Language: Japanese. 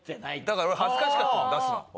だから俺恥ずかしかったの出すの。